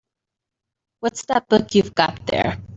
What's that book you've got there?